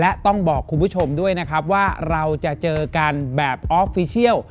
และต้องบอกคุณผู้ชมด้วยนะครับว่าเราจะเจอกันแบบออฟฟิเชียล